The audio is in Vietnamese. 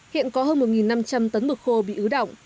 hiện có hơn một năm trăm linh tấn mực khô bị ứ động